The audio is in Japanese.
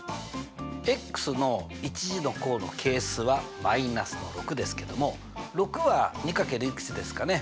の１次の項の係数は−６ですけども６は２かけるいくつですかね？